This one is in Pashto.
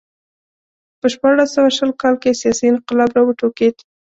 په شپاړس سوه شل کال کې سیاسي انقلاب راوټوکېد.